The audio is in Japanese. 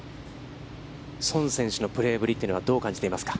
宋選手のプレーぶりというのはどう感じていますか。